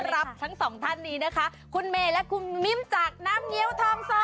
รับทั้ง๒ท่านคุณเมนูและคุณมิ่มจากน้ำเงี๊ยวถ่องซ้อค่ะ